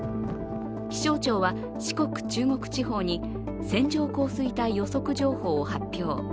気象庁は、四国・中国地方に線状降水帯予測情報を発表。